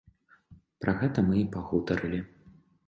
Пра гэта мы і пагутарылі.